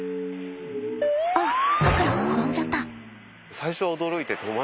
あっさくら転んじゃった。